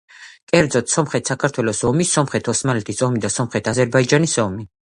კერძოდ: სომხეთ-საქართველოს ომი, სომხეთ-ოსმალეთის ომი და სომხეთ-აზერბაიჯანის ომი.